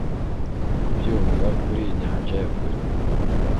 Kubyumva kuriyi nyanja ya kure